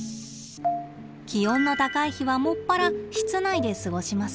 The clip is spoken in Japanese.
気温の高い日は専ら室内で過ごします。